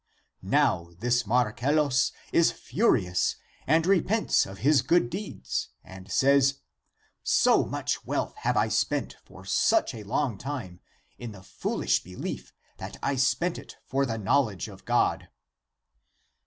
Now this Marcellus is furious and re pents of his good deeds and says, * So much wealth have I spent for such a long time, in the foolish belief that I spent it for the knowledge of God.'